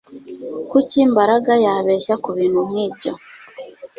Kuki Mbaraga yabeshya kubintu nkibyo